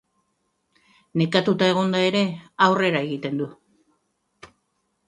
Nekatuta egonda ere, aurrera egiten du.